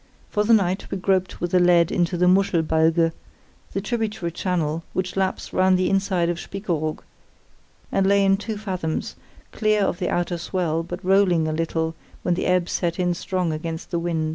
For the night, we groped with the lead into the Muschel Balge, the tributary channel which laps round the inside of Spiekeroog, and lay in two fathoms, clear of the outer swell, but rolling a little when the ebb set in strong against the wind.